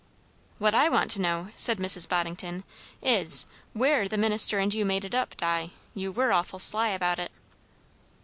"What I want to know," said Mrs. Boddington, "is, where the minister and you made it up, Di. You were awful sly about it!"